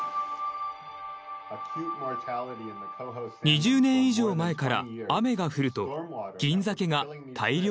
２０年以上前から雨が降るとギンザケが大量に死んでいました。